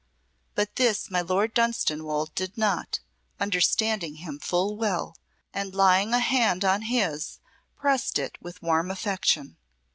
But this my Lord Dunstanwolde did not, understanding him full well, and lying a hand on his pressed it with warm affection.